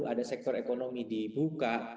ada sektor ekonomi dibuka